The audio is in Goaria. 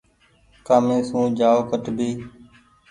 ڪآمي سون جآئو ڪٺ ڀي۔